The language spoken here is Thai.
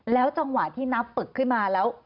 จังหวะที่นับปึกขึ้นมาแล้ว